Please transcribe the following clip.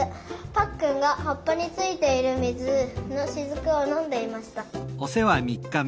ぱっくんがはっぱについているみずのしずくをのんでいました。